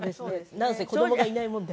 なんせ子供がいないもんで。